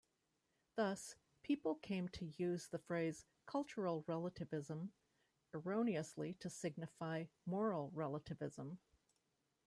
Thus, people came to use the phrase "cultural relativism" erroneously to signify "moral relativism.